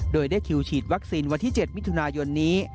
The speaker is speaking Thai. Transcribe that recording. โดยได้คิวฉีดวัคซีนวันที่๗มิถุนายนนี้